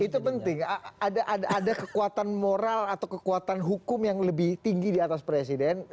itu penting ada kekuatan moral atau kekuatan hukum yang lebih tinggi di atas presiden